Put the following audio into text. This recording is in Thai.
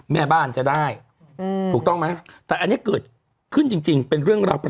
แม่บ้านจะได้ถูกต้องไหมแต่อันนี้เกิดขึ้นจริงเป็นเรื่องราวประ